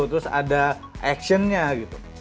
terus ada actionnya gitu